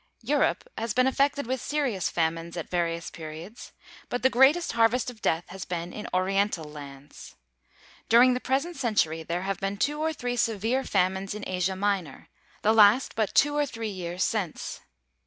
Europe has been affected with serious famines at various periods; but the greatest "harvest of death" has been in Oriental lands. During the present century there have been two or three severe famines in Asia Minor, the last but two or three years since.